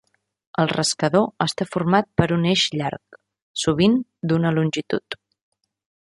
El rascador està format per un eix llarg, sovint d'una longitud.